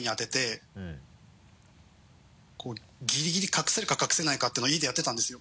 ギリギリ隠せるか隠せないかっていうのを家でやってたんですよ。